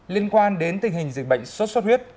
liên quan đến tình hình dịch bệnh sốt xuất huyết